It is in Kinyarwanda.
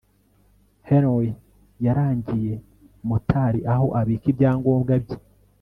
Henry yarangiye motari aho abika ibyangombwa bye